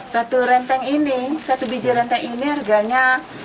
satu renteng ini satu biji renteng ini harganya